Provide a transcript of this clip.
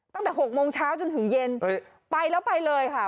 ตั้งแต่๖โมงเช้าจนถึงเย็นไปแล้วไปเลยค่ะ